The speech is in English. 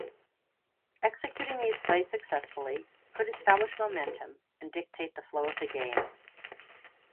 Executing these plays successfully could establish momentum and dictate the flow of the game.